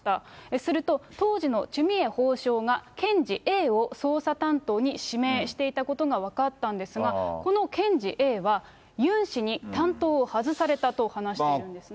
すると、当時のチュ・ミエ法相が検事Ａを捜査担当に指名していたことが分かったんですが、この検事Ａはユン氏に担当を外されたと話しているんですね。